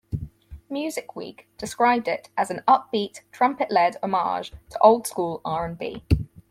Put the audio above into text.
"Music Week" described it as an "upbeat, trumpet-led homage to old-school R and B.